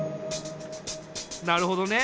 なるほどね。